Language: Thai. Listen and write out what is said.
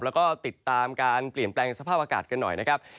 แล้วก็ติดตามการเปลี่ยนแปลงสภาพอากาศกันหน่อยนะครับ